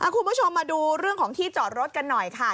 คุณผู้ชมมาดูเรื่องของที่จอดรถกันหน่อยค่ะ